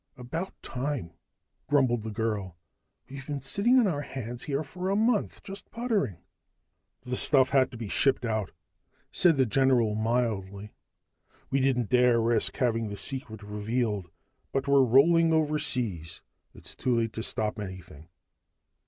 "About time," grumbled the girl. "We've been sitting on our hands here for a month, just puttering." "The stuff had to be shipped out," said the general mildly. "We didn't dare risk having the secret revealed. But we're rolling overseas, it's too late to stop anything."